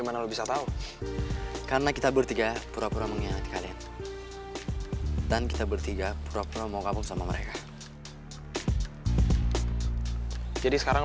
mendingan kita samperin mereka aja